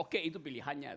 oke itu pilihannya